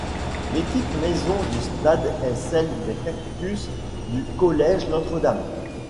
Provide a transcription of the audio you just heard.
L’équipe maison du stade est celle des Cactus du Collège Notre-Dame.